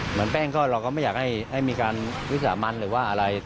เหมือนแป้งเขาเราก็ไม่อยากให้มีการวิสาห์มันหรือว่าอะไร